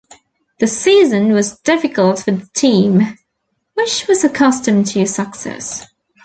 The season was difficult for the team, which was accustomed to success.